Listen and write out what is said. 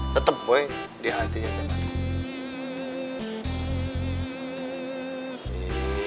tetap boy di hati teh manis